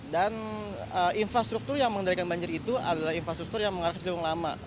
dan infrastruktur yang mengendalikan banjir itu adalah infrastruktur yang mengarah ke ciliwung lama